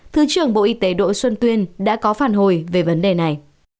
thứ trưởng bộ y tế đỗ xuân tuyên đã có phản hồi về vấn đề này